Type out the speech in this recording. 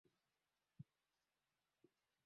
tukio hili lililo thibitisha na wizara ya mambo ya ndani